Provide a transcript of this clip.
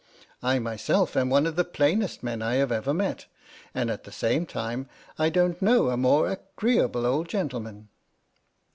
I myself am one of the plainest men I have ever met, and at the same time I don't know a more agreeable old gentleman.